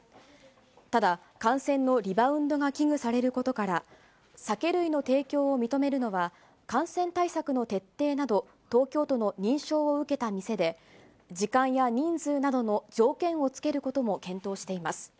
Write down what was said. ただ、感染のリバウンドが危惧されることから、酒類の提供を認めるのは、感染対策の徹底など、東京都の認証を受けた店で、時間や人数などの条件を付けることも検討しています。